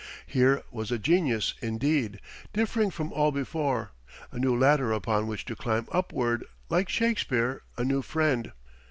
Here was a genius, indeed, differing from all before, a new ladder upon which to climb upward like Shakespeare, a new friend.